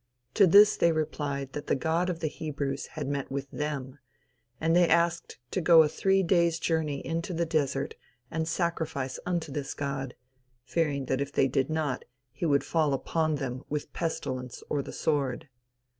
To this they replied that the God of the Hebrews had met with them, and they asked to go a three days journey into the desert and sacrifice unto this God, fearing that if they did not he would fall upon them with pestilence or the sword.